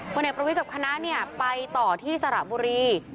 เอกประวิทย์กับคณะไปต่อที่สระบุรี